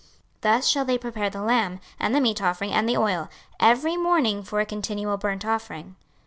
26:046:015 Thus shall they prepare the lamb, and the meat offering, and the oil, every morning for a continual burnt offering.